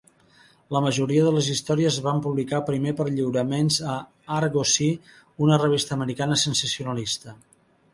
La majoria de les històries es van publicar primer per lliuraments a "Argosy", una revista americana sensacionalista.